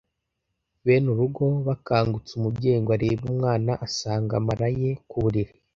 Bene urugo bakangutse umubyeyi ngo arebe umwana asanga amara ye ku buriri